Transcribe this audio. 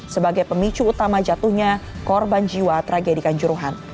sebagai pemicu utama jatuhnya korban jiwa tragedi kanjuruhan